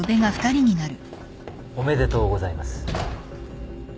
おめでとうございます。